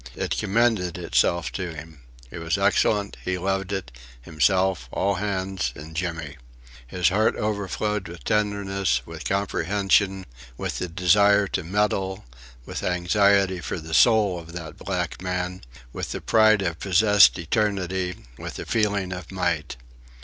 It commended itself to him. It was excellent; he loved it, himself, all hands, and Jimmy. His heart overflowed with tenderness, with comprehension, with the desire to meddle, with anxiety for the soul of that black man, with the pride of possessed eternity, with the feeling of might.